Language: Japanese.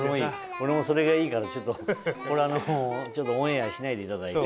俺もそれがいいからちょっとこれオンエアしないでいただいて。